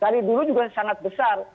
dari dulu juga sangat besar